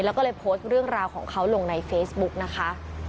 แล้วก็เลยโพสต์เรื่องราวของเขาลงในเฟซบุ๊กนะคะ